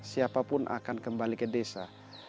siapa pun akan kembali ke desa